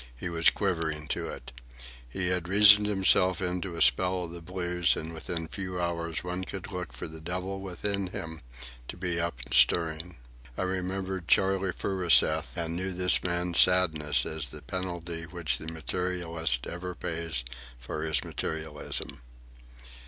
He was quivering to it. He had reasoned himself into a spell of the blues, and within few hours one could look for the devil within him to be up and stirring. I remembered Charley Furuseth, and knew this man's sadness as the penalty which the materialist ever pays for his materialism.